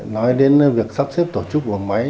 nói đến việc sắp xếp tổ chức bộ máy